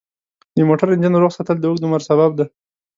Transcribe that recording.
د موټر انجن روغ ساتل د اوږد عمر سبب دی.